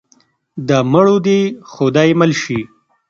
د مړو دې خدای مل شي.